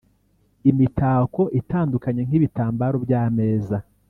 imitako itandukanye nk’ibitambaro by’ameza